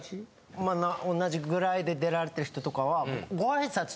まあ同じぐらいで出られてる人とかは。